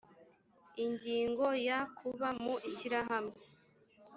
ingingo ya kuba mu ishyirahamwe